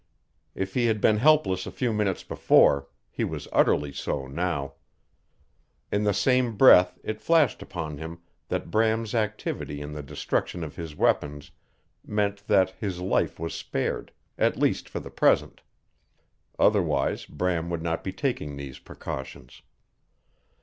If he had been helpless a few minutes before, he was utterly so now. In the same breath it flashed upon him that Bram's activity in the destruction of his weapons meant that his life was spared, at least for the present. Otherwise Bram would not be taking these precautions.